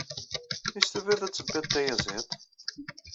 Is tufid ad tebbid tayaẓiḍt?